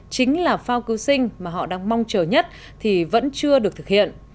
chính là phao cứu sinh mà họ đang mong chờ nhất thì vẫn chưa được thực hiện